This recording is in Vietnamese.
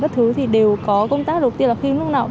các thứ thì đều có công tác đầu tiên là khi lúc nào